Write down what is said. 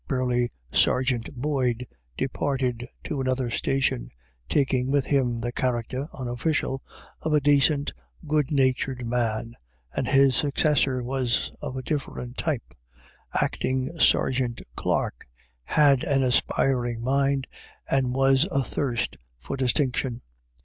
Burly Sergeant Boyd departed to another station, taking with him the character (unofficial) of a dacint, good natured man ; and his successor was of a different type. Acting Sergeant Clarke had an aspiring mind, and was athirst for distinction.